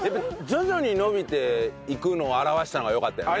徐々に伸びていくのを表したのがよかったよね。